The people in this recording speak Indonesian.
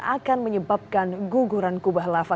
akan menyebabkan guguran kubah lava